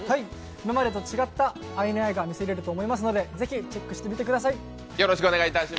今までと違ったＩＮＩが見せれると思いますので、ぜひチェックしてみてください。